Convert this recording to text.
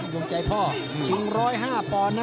ดวงใจพ่อชิง๑๐๕ปอนด์นะ